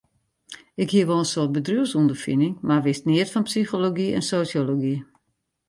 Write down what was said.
Ik hie wol in soad bedriuwsûnderfining, mar wist neat fan psychology en sosjology.